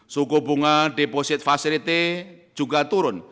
suku bunga deposit facility juga turun